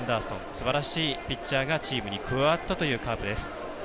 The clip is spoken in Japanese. すばらしいピッチャーがチームに加わったというカープです。